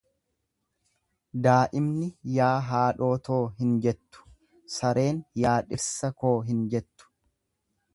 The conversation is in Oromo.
Daa'imni yaa haadhatoo hin jettu, sareen yaa dhirsa koo hin jettu.